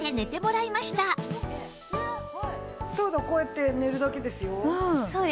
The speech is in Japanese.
ただこうやって寝るだけですよ。